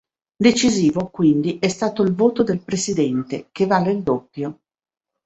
Decisivo, quindi, è stato il voto del presidente che vale il doppio.